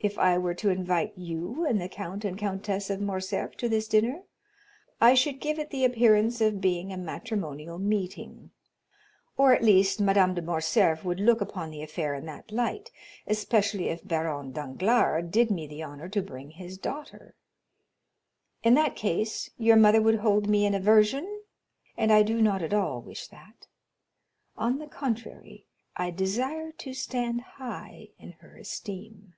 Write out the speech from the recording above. If I were to invite you and the Count and Countess of Morcerf to this dinner, I should give it the appearance of being a matrimonial meeting, or at least Madame de Morcerf would look upon the affair in that light, especially if Baron Danglars did me the honor to bring his daughter. In that case your mother would hold me in aversion, and I do not at all wish that; on the contrary, I desire to stand high in her esteem."